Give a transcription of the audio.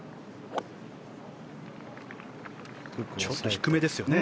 ちょっと低めでしたね。